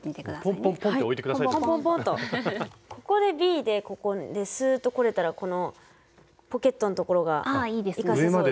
ここでＢでここですっとこれたらこのポケットのところが生かせそうですね。